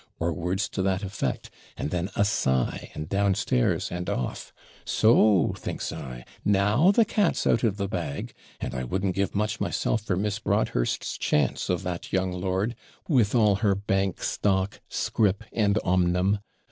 or words to that effect; and then a sigh, and downstairs and off: So, thinks I, now the cat's out of the bag. And I wouldn't give much myself for Miss Broadhurst's chance of that young lord, with all her bank stock, scrip, and OMNUM.